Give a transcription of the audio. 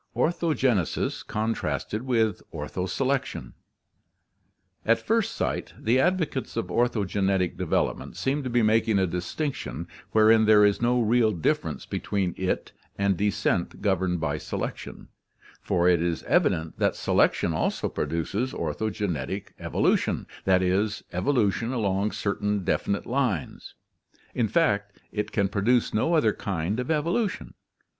Orthogenesis Contrasted with Ortho selection. — At first sight the advocates of orthogenetic development seem to be making a dis tinction wherein there is no real difference between it and descent governed by selection, for it is evident that selection also produces orthogenetic evolution, that is, evolution along certain definite lines; in fact, it can produce no other kind of evolution.